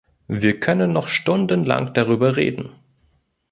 Wir können noch stundenlang darüber reden.